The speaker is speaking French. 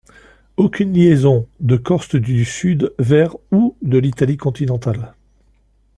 Aucune liaison de Corse-du-Sud vers ou de l'Italie continentale.